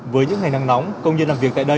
với những ngày nắng nóng công nhân làm việc tại đây